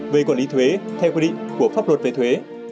về quản lý thuế theo quy định của pháp luật về thuế